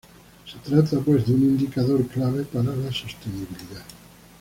Se trata, pues, de un indicador clave para la sostenibilidad.